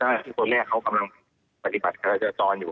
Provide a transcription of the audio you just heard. ซึ่งที่คนแรกเขากำลังปฏิบัติเฮราะชาติจรรย์อยู่